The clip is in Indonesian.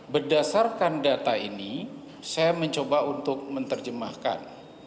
berdasarkan data ini saya mencoba untuk menerjemahkan